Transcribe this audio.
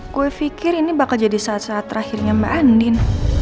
gue pikir ini bakal jadi saat saat terakhirnya mbak andin